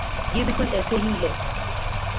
یہ بالکل ایسے ہی ہے۔